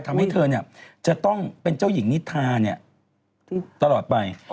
ทำให้เธอจะต้องเป็นเจ้าหญิงนิทาตลอดไป